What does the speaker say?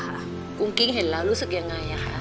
กุ้งกิ้งเห็นแล้วรู้สึกยังไงคะ